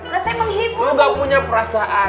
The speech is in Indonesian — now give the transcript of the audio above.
lu gak punya perasaan